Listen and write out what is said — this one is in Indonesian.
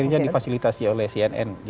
akhirnya difasilitasi oleh cnn